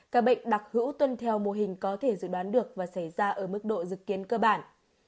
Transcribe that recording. các bệnh đặc hữu tuân theo mô hình có thể dự đoán được và xảy ra ở mức độ dự kiến cơ bản